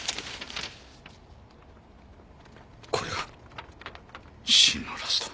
これが真のラスト！